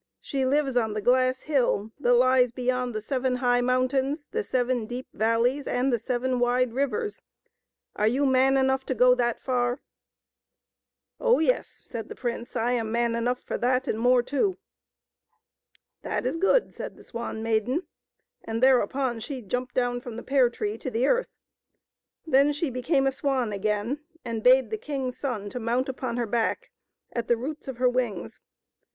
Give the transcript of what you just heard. She lives on the glass hill that lies beyond the seven high mountains, the seven deep valleys, and the seven wide rivers; are you man enough to go that far ?"" Oh, yes," said the prince, " I am man enough for that and more too." That is good," said the Swan Maiden, and thereupon she jumped down from the pear tree to the earth. Then she became a swan again, and bade the king's son to mount upon her back at the roots of her wings.